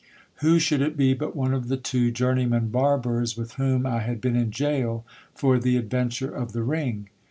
Who should it be but one of the two journeymen barbers with whom I had been in gaol for the adventure of the ring.